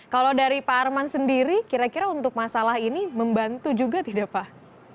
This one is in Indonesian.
kalau dari pak arman sendiri kira kira untuk masalah ini membantu juga tidak pak